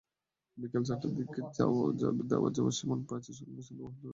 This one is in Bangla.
বিকেল চারটার দিকে দেবে যাওয়া সীমানাপ্রাচীর সংলগ্ন সুন্দরবন হোটেলের বেসমেন্টের কিছুটা ভেঙে পড়ে।